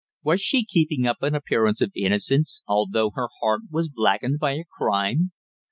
Was she keeping up an appearance of innocence, although her heart was blackened by a crime?